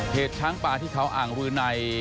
เหตุช้างป่าที่เขาอ่างรือใน